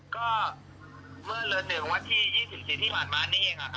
ก็เมื่อเรือ๑วันที่๒๔ที่ผ่านมานี่เองค่ะ